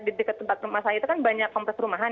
dekat tempat rumah saya itu kan banyak kompres rumahan